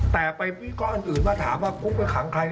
แต่ไปวิการอื่นมาถามว่าปุ๊บก็ขังใคร